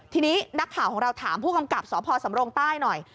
ทีนี้นักข่าวของเราถามผู้กำกับสพสำรงใต้หน่อย